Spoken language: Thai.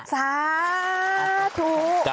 สาธุ